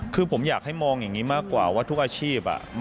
คือผมอยากให้มองอย่างนี้มากกว่าว่าทุกอาชีพ